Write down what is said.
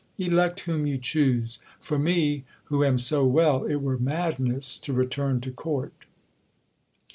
Elect whom you choose. For me, who am so well, it were madness to return to court."